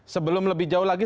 sebelum lebih jauh lagi